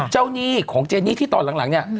หนี้ของเจนี่ที่ตอนหลังเนี่ย